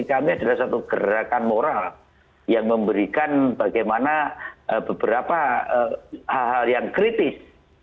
kami adalah satu gerakan moral yang memberikan bagaimana beberapa hal hal yang kritis